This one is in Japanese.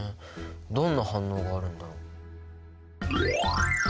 どんな反応があるんだろう？